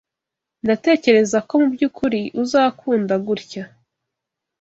Ndatekereza ko mubyukuri uzakunda gutya.